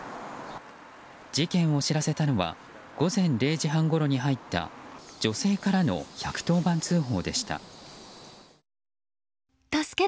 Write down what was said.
事件を知らせたのは午前０時半ごろに入った女性からの１１０番通報でした。